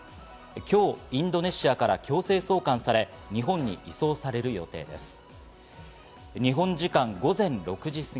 今日、インドネシアから強制送還され、日本に移送される予定です。